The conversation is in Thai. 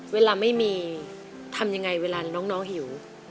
เวลาไม่มีทำยังไงเวลาน้องหิว